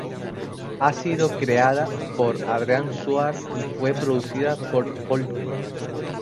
Ha sido "creada" por Adrián Suar y fue producida por Pol-Ka.